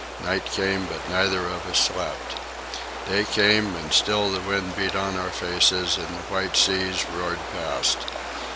Night came, but neither of us slept. Day came, and still the wind beat on our faces and the white seas roared past.